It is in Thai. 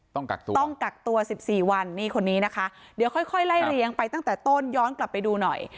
ต้องกักตัว๑๔วันนี่คนนี้นะคะเดี๋ยวค่อยค่อยไล่เรียงไปตั้งแต่ต้นย้อนกลับไปดูหน่อย